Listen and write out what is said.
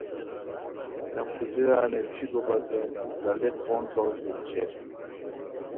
کمپوٹرا نیوشیکو بچین نستعلیق فونٹ ساؤز بیتی شیر